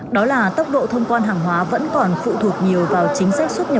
đó là tốc độ thông quan hàng hóa vẫn còn phụ thuộc nhiều vào chính sách xuất nhập